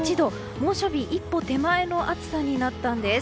猛暑日一歩手前の暑さになったんです。